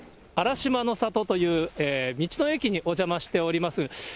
あらしまのさとという、道の駅にお邪魔しております。